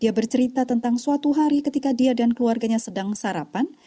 dia bercerita tentang suatu hari ketika dia dan keluarganya sedang sarapan